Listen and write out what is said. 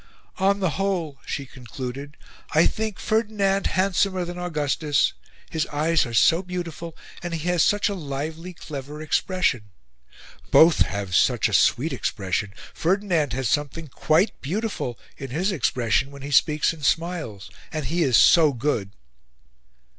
"On the whole," she concluded, "I think Ferdinand handsomer than Augustus, his eyes are so beautiful, and he has such a lively clever expression; BOTH have such a sweet expression; Ferdinand has something QUITE BEAUTIFUL in his expression when he speaks and smiles, and he is SO good."